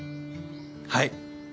はい！